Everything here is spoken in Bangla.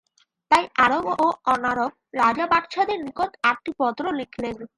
তাই আরব ও অনারব রাজা-বাদশাহদের নিকট আটটি পত্র লিখলেন।